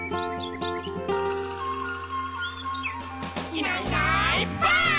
「いないいないばあっ！」